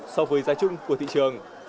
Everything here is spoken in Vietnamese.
ba mươi năm mươi so với giá chung của thị trường